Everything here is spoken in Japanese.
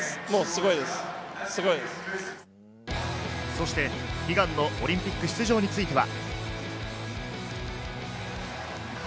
そして悲願のオリンピック出場については。